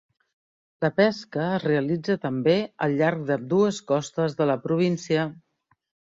La pesca es realitza també al llarg d'ambdues costes de la província.